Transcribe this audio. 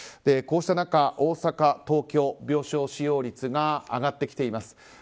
こうした中、大阪、東京病床使用率が上がってきています。